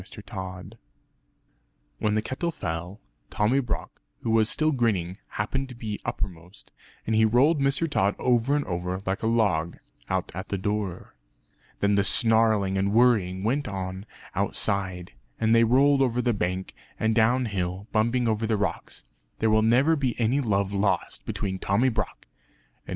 When the kettle fell, Tommy Brock, who was still grinning, happened to be uppermost; and he rolled Mr. Tod over and over like a log, out at the door. Then the snarling and worrying went on outside; and they rolled over the bank, and down hill, bumping over the rocks. There will never be any love lost between Tommy Brock and Mr. Tod.